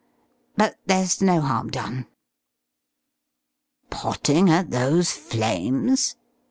But there's no harm done." "Potting at those flames!"